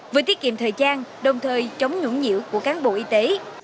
với tiết kiệm thời trang đồng thời chống nhũng nhiễu của các bộ y tế